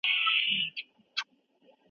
مساوات او عدالت د حکومت بنسټ و.